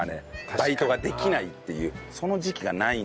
バイトができないっていうその時期がないんだよ。